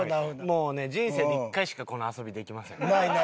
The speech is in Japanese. もうね人生で１回しかこの遊びできません正直。